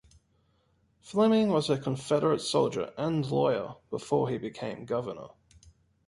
Fleming was a Confederate soldier and lawyer before he became governor.